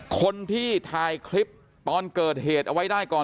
คนที่ถ่ายคลิปตอนเกิดเหตุเอาไว้ได้ก่อน